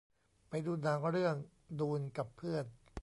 ไปดูหนังเรื่องดูนกับเพื่อน